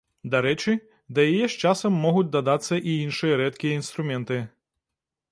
Дарэчы, да яе з часам могуць дадацца і іншыя рэдкія інструменты.